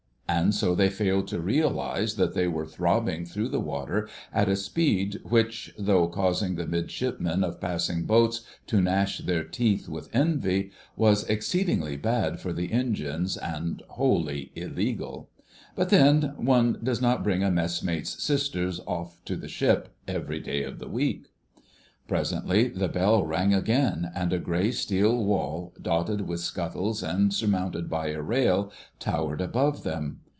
And so they failed to realise that they were throbbing through the water at a speed which, though causing the Midshipmen of passing boats to gnash their teeth with envy, was exceedingly bad for the engines and wholly illegal. But then one does not bring a messmate's sisters off to the ship every day of the week. Presently the bell rang again, and a grey steel wall, dotted with scuttles and surmounted by a rail, towered above them.